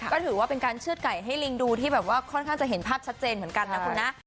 ก็ถือว่าเป็นการเชื่อดไก่ให้ลิงดูที่แบบว่าค่อนข้างจะเห็นภาพชัดเจนเหมือนกันนะคุณนะ